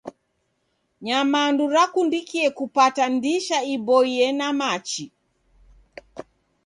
Nyamandu rakundikie kupata ndisha iboie na machi.